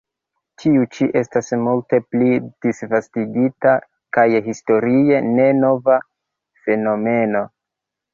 Tiu ĉi estas multe pli disvastigita kaj historie ne nova fenomeno.